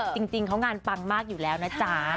จริงเขางานปังมากอยู่แล้วนะจ๊ะ